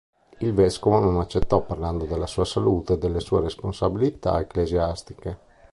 Il vescovo non accettò, parlando della sua salute e delle sue responsabilità ecclesiastiche.